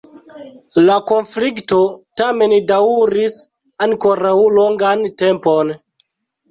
La konflikto tamen daŭris ankoraŭ longan tempon.